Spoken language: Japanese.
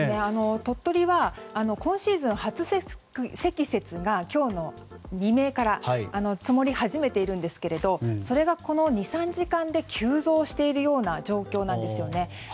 鳥取は今シーズン初積雪が今日の未明から積もり始めているんですがそれがこの２３時間で急増しているような状況なんですよね。